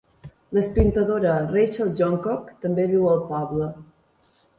L'esprintadora Rachel Johncock també viu al poble.